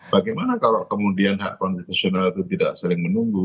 bagaimana kalau kemudian hak konstitusional itu tidak saling menunggu